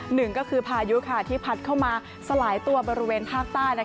หนึ่งก็คือพายุที่พัดเข้ามาสลายตัวบริเวณภาคใต้